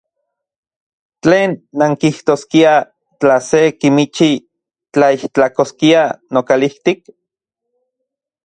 ¿Tlen nankijtoskiaj tla se kimichi tlaijtlakoskia nokalijtik?